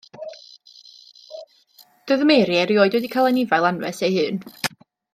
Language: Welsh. Doedd Mary erioed wedi cael anifail anwes ei hun.